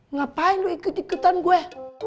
ngapain lo ikut ikutan gue